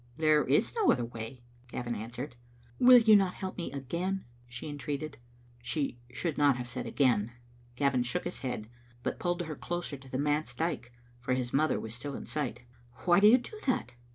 " There is no other way," Gavin answered. "Will you not help me again?" she entreated. She should not have said " again." Gavin shook his head, but pulled her closer to the manse dyke, for his mother was still in sight. "Why do you do that?"